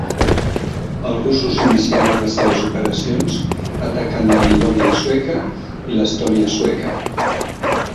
Els russos iniciaren les seves operacions atacant la Livònia Sueca i l'Estònia Sueca.